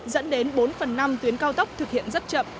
dẫn đến bốn phần năm tuyến cao tốc thực hiện rất chậm